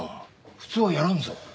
普通はやらんぞ。